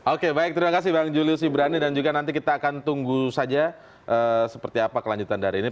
oke baik terima kasih bang julius ibrani dan juga nanti kita akan tunggu saja seperti apa kelanjutan dari ini